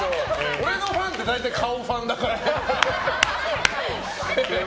俺のファンって大体顔ファンだからね。